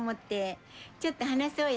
ちょっと話そうや。